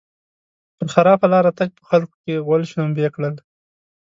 پر خراپه لاره تګ؛ په خلګو کې غول شلومبی کړل.